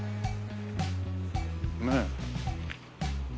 ねえ。